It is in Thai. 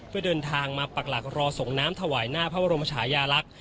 เพื่อเดินทางมาปักหลักรอส่งน้ำถวายหน้าพระบรมชายาลักษณ์